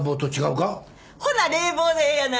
ほな冷房でええやないですか。